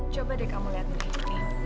coba deh kamu lihat ini